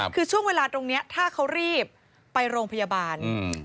คือช่วงเวลาตรงนี้ถ้าเขารีบไปโรงพยาบาล